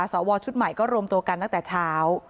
สวชุดใหม่ก็รวมตัวกันตั้งแต่เช้า